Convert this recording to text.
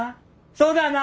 そうだな？